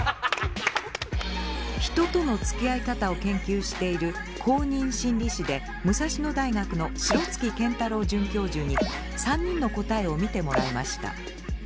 人とのつきあい方を研究している公認心理師で武蔵野大学の城月健太郎准教授に３人の答えを見てもらいました。